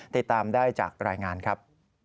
ติดตามได้จากรายงานครับ